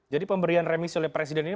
jadi pemberian remisi oleh presiden ini